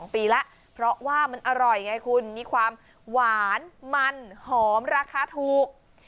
ปีแล้วเพราะว่ามันอร่อยไงคุณมีความหวานมันหอมราคาถูก